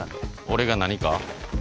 俺が何か？